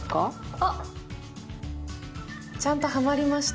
あっちゃんとはまりました